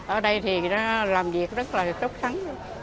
ở đây thì làm việc rất là tốt sẵn